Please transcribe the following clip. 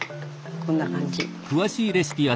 こんな感じ。